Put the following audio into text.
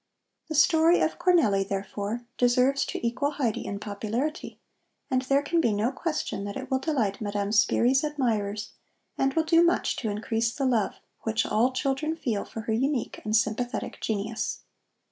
The story of Cornelli, therefore, deserves to equal Heidi in popularity, and there can be no question that it will delight Madame Spyri's admirers and will do much to increase the love which all children feel for her unique and sympathetic genius.